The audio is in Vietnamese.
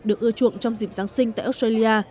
được ưa chuộng trong dịp giáng sinh tại australia